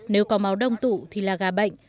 nếu có máu đông tụ thì là gà bệnh